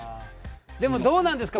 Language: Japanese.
でもどうなんですか？